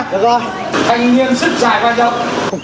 thanh niên sức dài ba dọc